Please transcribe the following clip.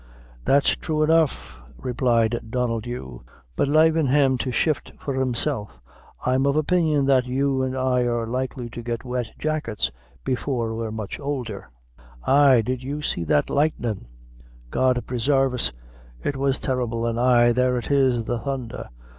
"That's thrue enough," replied Donnel Dhu; "but lavin' him to shift for himself, I'm of opinion that you an' I are likely to get wet jackets before we're much oulder. Ha! Did you see that lightnin'? God presarve us! it was terrible an' ay, there it is the thundher!